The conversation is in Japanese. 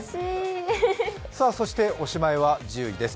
そしておしまいは１０位です。